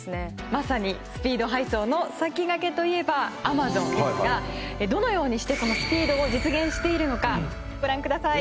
まさにスピード配送の先駆けといえばＡｍａｚｏｎですがどのようにしてそのスピードを実現しているのかご覧ください。